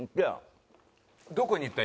どこに行った？